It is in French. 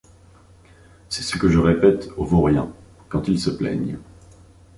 C’est ce que je répète aux vauriens, quand ils se plaignent...